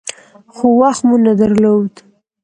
خو وخت مو نه درلود .